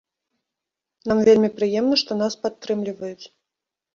Нам вельмі прыемна, што нас падтрымліваюць.